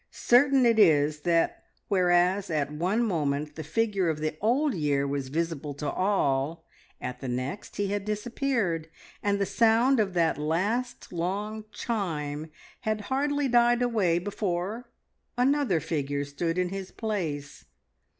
Certain it is that, whereas at one moment the figure of the Old Year was visible to all, at the next he had disappeared, and the sound of that last long chime had hardly died away before another figure stood in his place.